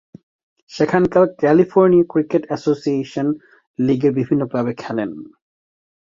সেখানকার California cricket association লীগের বিভিন্ন ক্লাবে খেলেন।